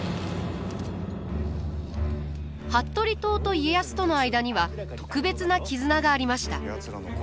服部党と家康との間には特別な絆がありました。